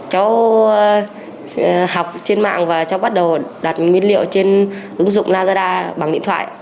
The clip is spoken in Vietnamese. cháu học trên mạng và cháu bắt đầu đặt nguyên liệu trên ứng dụng lazada bằng điện thoại